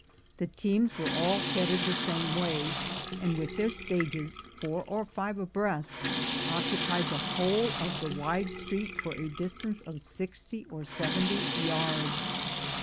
The teams were all headed the same way, and with their stages, four or five abreast, occu pied the whole of the wide street for a distance of sixty or seventy yards.